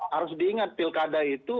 harus diingat pilkada itu